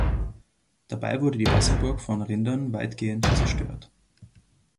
Dabei wurde die Wasserburg von Rindern weitgehend zerstört.